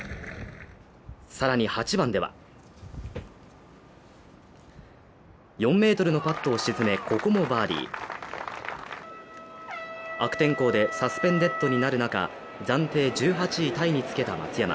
さらに８番では４ｍのパットを沈めここもバーディー悪天候でサスペンデッドになる中、暫定１８位タイにつけた松山。